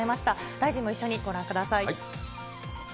大臣も一緒にご覧ください。